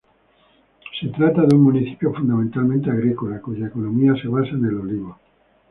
Se trata de un municipio fundamentalmente agrícola cuya economía se basa en el olivo.